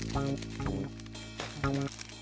nah unsur kau